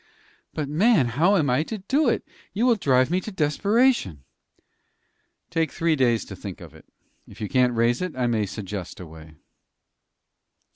"But, man, how am I to do it? You will drive me to desperation." "Take three days to think of it. If you can't raise it, I may suggest a way."